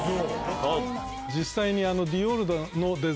実際に。